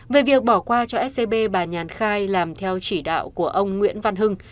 về việc bỏ qua cho scb bà nhàn khai làm theo chỉ đạo của ông nguyễn văn hưng